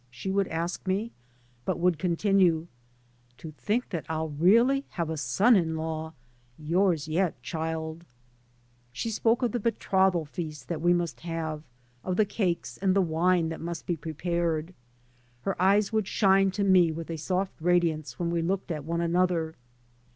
she would ask me, but would continue, " To think that I'll really hare a son in law, yours yet, childie." She spoke of the betrothal feast that we must have, of the cakes and the wine that must be prepared. Her eyes would shine to me with a soft radiance when we looked at one another.